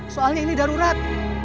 soalnya ini darurat